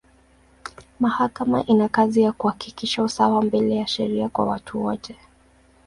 Mahakama ina kazi ya kuhakikisha usawa mbele ya sheria kwa watu wote.